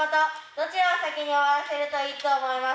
どちらを先に終わらせるといいと思いますか？